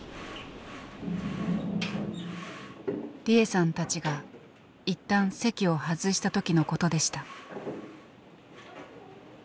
利枝さんたちが一旦席を外した時のことでした。